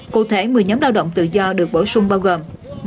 cụ thể một mươi nhóm lao động tự do được bổ sung bao gồm